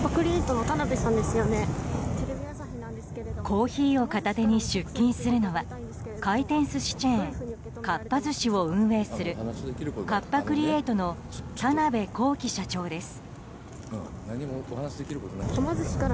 コーヒーを片手に出勤するのは回転寿司チェーンかっぱ寿司を運営するカッパ・クリエイトの田邊公己社長です。